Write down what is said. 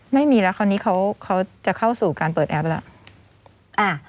ไม่มีแล้วคราวนี้เขาจะเข้าสู่การเปิดแอปแล้ว